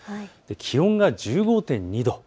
気温が１５．２度。